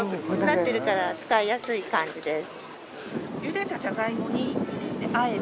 なってるから使いやすい感じです。